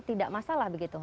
tidak masalah begitu